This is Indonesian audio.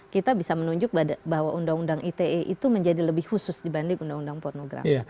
kita bisa menunjuk bahwa undang undang ite itu menjadi lebih khusus dibanding undang undang pornografi